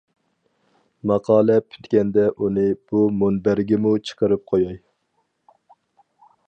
ماقالە پۈتكەندە ئۇنى بۇ مۇنبەرگىمۇ چىقىرىپ قوياي.